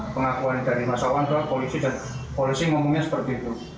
pengakuan dari masyarakat polisi dan polisi ngomongnya seperti itu